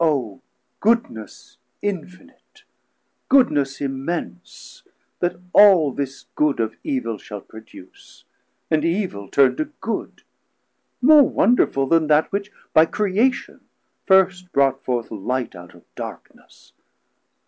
O goodness infinite, goodness immense! That all this good of evil shall produce, And evil turn to good; more wonderful 470 Then that which by creation first brought forth Light out of darkness!